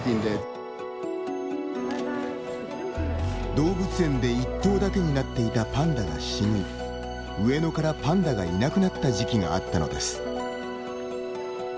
動物園で１頭だけになっていたパンダが死に上野からパンダがいなくなった時期があったのです。